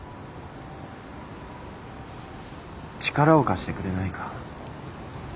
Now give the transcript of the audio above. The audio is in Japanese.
力を貸してくれないか？